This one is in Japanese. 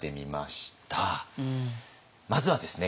まずはですね